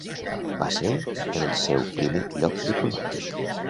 Va ser el seu primer lloc diplomàtic.